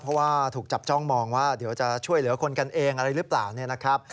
เพราะว่าถูกจับจ้องมองว่าเดี๋ยวจะช่วยเหลือคนกันเองอะไรหรือเปล่าเนี่ยนะครับ